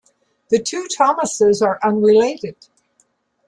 The two Thomases are unrelated.